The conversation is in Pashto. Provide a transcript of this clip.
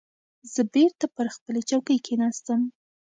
زه بېرته پر خپلې چوکۍ کېناستم.